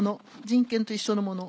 人権と一緒のもの。